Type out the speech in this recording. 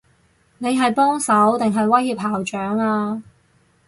你係幫手，定係威脅校長啊？